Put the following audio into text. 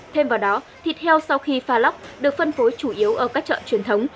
thêm vào đó thịt heo sau khi pha lóc được phân phối chủ yếu ở các chợ truyền thống